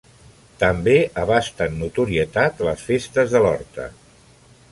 També abasten notorietat les festes de l'horta.